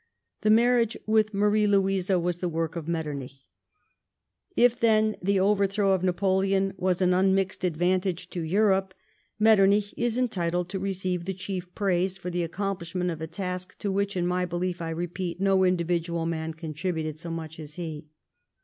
The marriage with Marie Louise was the work of Metter nich. If, then, the overthrow of Napoleon was an un mixed advantage to Europe, ^letternich is entitled to receive the chief praise for the accomplishment of a task to which, in my belief, I repeat, no individual man con tributed so much as he.